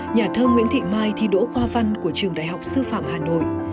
nhà thơ nguyễn thị mai thi đỗ khoa văn của trường đại học sư phạm hà nội